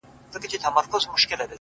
د ښایستونو خدایه سر ټیټول تاته نه وه ـ